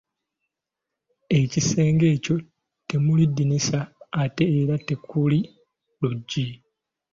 Ekisenge ekyo temuli ddirisa ate era tekuli luggi.